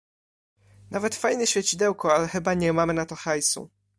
Nawet fajne świecidełko, ale chyba nie mamy na to hajsu.